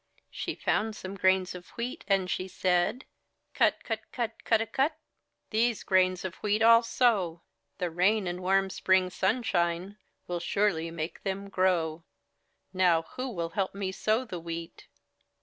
She found some grains of wheat and she said: — '*Cut, cut, cut, cudawcut! These grains of wheat FU sow; The rain and warm Spring sunshine Will surely make them grow. Now who will help me sow the wheat?"